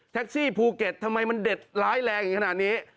ซี่ภูเก็ตทำไมมันเด็ดร้ายแรงขนาดนี้